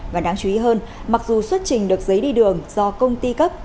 và đáng chú ý hơn mặc dù xuất trình được giấy đi đường do công ty cấp